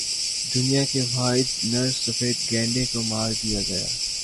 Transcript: دنیا کے واحد نر سفید گینڈے کو مار دیا گیا